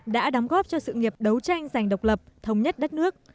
đã đóng góp cho sự nghiệp đấu tranh giành độc lập thống nhất đất nước